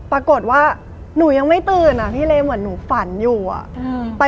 ปรากฏว่าหนูยังไม่ตื่นอ่ะพี่เลเหมือนหนูฝันอยู่อ่ะ